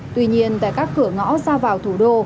tuy nhiên tại các cửa ngõ ra vào thủ đô